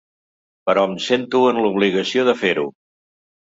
Però em sento en l’obligació de fer-ho.